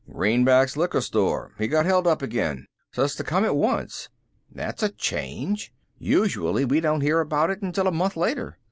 "Greenback's liquor store. He got held up again. Says to come at once." "That's a change. Usually we don't hear about it until a month later.